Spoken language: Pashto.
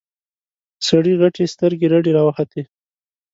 سړي غتې سترګې رډې راوختې.